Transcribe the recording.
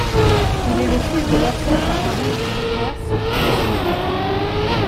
Il est le fils de l'orfèvre Arent Woutersz Vosmaer.